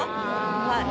はい。